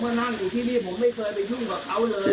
นั่งอยู่ที่นี่ผมไม่เคยไปยุ่งกับเขาเลย